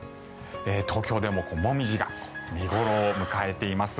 東京でもモミジが見頃を迎えています。